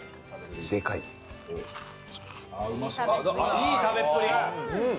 いい食べっぷり。